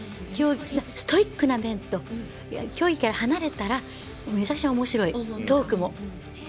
ストイックな面と競技から離れたらめちゃくちゃおもしろいトークも。